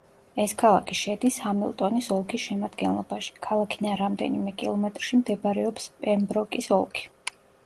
ეს ქალაქი შედის ჰამილტონის ოლქის შემადგენლობაში, ქალაქიდან რამდენიმე კილომეტრში მდებარეობს პემბროკის ოლქი.